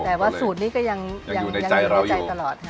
แต่ว่าสูตรนี้ก็ยังอยู่ในใจตลอดค่ะ